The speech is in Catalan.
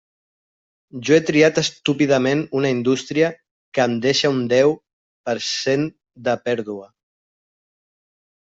Jo he triat estúpidament una indústria que em deixa un deu per cent de pèrdua.